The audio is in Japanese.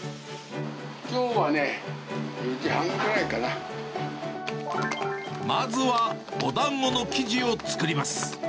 きょうはね、４時半ぐらいかまずはおだんごの生地を作ります。